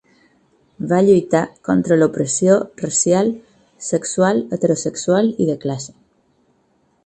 Va lluitar contra l'opressió racial, sexual, heterosexual i de classe.